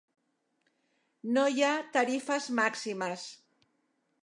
No hi ha tarifes màximes.